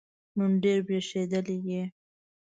نن ډېر برېښېدلی یې